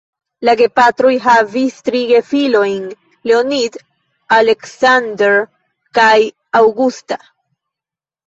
La gepatroj havis tri gefilojn: Leonid, "Aleksandr" kaj "Aŭgusta".